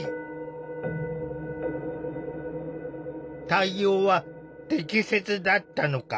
対応は適切だったのか？